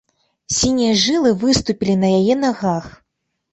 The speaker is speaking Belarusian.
Сінія жылы выступілі на яе нагах.